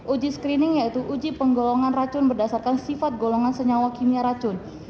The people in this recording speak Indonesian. uji screening yaitu uji penggolongan racun berdasarkan sifat golongan senyawa kimia racun